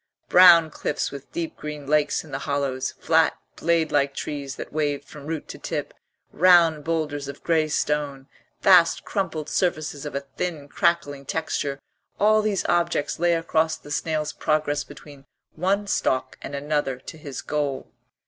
Brown cliffs with deep green lakes in the hollows, flat, blade like trees that waved from root to tip, round boulders of grey stone, vast crumpled surfaces of a thin crackling texture all these objects lay across the snail's progress between one stalk and another to his goal.